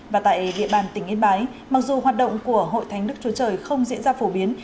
và tại địa bàn tỉnh yên bái mặc dù hoạt động của hội thánh đức chúa trời không diễn ra phổ biến